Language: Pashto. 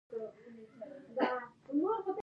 زردالو له ډوډۍ سره هم خوړل کېږي.